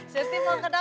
surti mau ke dapur dulu